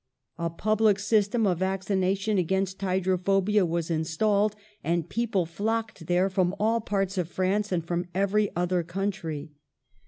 A public system of vaccina tion against hydrophobia was installed, and people flocked there from all parts of France and from every other country.